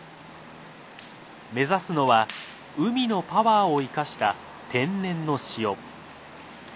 目指すのは海のパワーを生かした天然の塩。